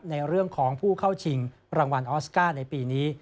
ในเรื่องของผู้เข้าชิงรางวัลออสการ์ในปีนี้